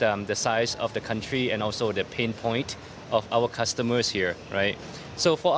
karena berdasarkan ukuran negara dan titik utama pelanggan kami